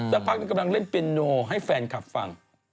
สักพักนึงกำลังเล่นเปียโนให้แฟนคลับฟัง